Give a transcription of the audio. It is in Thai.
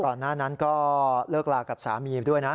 หน้านั้นก็เลิกลากับสามีด้วยนะ